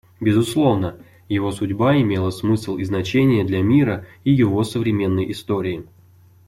Безусловно, его судьба имела смысл и значение для мира и его современной истории.